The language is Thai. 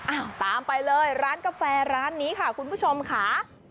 ตามไปเลยร้านกาแฟร้านนี้ค่ะคุณผู้ชมค่ะ